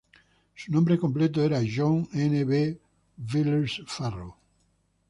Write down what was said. Su nombre completo era John N. B. Villiers-Farrow.